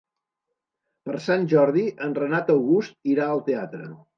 Per Sant Jordi en Renat August irà al teatre.